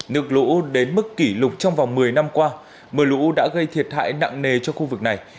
nước lũ đến mức kỷ lục trong vòng một mươi năm qua mưa lũ đã gây thiệt hại nặng nề cho khu vực này